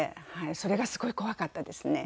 それがすごい怖かったですね。